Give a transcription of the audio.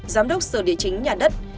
giám đốc sở địa chính nhà đất